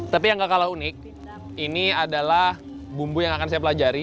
tapi yang gak kalah unik ini adalah bumbu yang akan saya pelajari